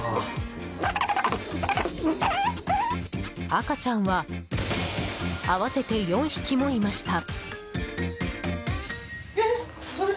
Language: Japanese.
赤ちゃんは合わせて４匹もいました。